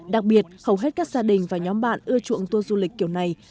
đặc biệt hầu hết các gia đình và nhóm bạn ưa chuộng tour du lịch kiểu này